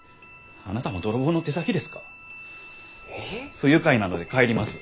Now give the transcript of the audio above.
不愉快なので帰ります。